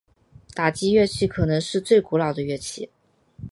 打击乐器可能是最古老的乐器。